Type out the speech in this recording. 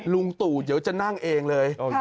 ลุงตู่เดี๋ยวจะนั่งเองเลย